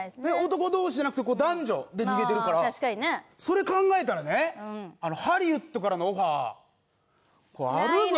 男同士じゃなくて男女で逃げてるからそれ考えたらねハリウッドからのオファーあるぞ。